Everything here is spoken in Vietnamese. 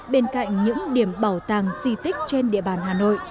bên cạnh những điểm bảo tàng di tích trên địa bàn hà nội